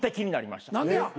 何でや？